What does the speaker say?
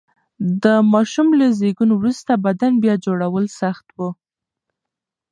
د ماشوم له زېږون وروسته بدن بیا جوړول سخت و.